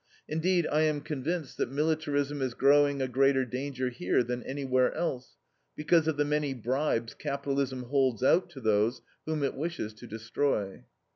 Indeed, I am convinced that militarism is growing a greater danger here than anywhere else, because of the many bribes capitalism holds out to those whom it wishes to destroy.